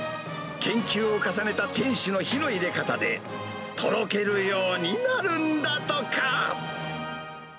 研究を重ねた店主の火の入れ方で、とろけるようになるんだとか。